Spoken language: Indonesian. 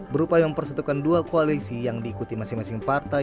berupa yang persentukan dua koalisi yang diikuti masing masing partai